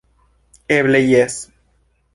Eble jes.